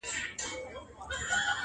• د سړیو سره خواته مقبره کي..